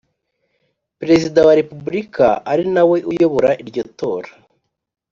Perezida wa Repubulika ari na we uyobora iryo tora